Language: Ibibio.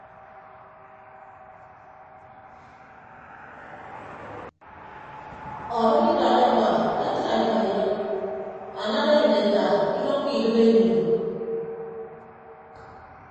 Ọdʌk idak ekpa atịgha ekpa idịp anana eyịn eka idʌkkọ idịp eniin.